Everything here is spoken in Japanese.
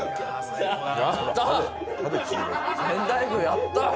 やったー！